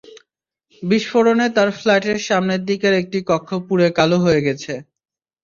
বিস্ফোরণে তাঁর ফ্ল্যাটের সামনের দিকের একটি কক্ষ পুড়ে কালো হয়ে গেছে।